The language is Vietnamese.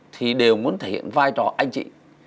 thì đều muốn thể hiện vai trò anh chị